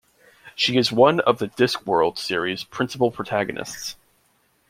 She is one of the "Discworld" series' principal protagonists.